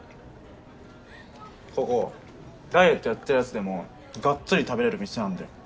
ここダイエットやってるヤツでもがっつり食べれる店なんだよ